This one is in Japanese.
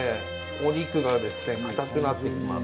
お肉がかたくなってきます。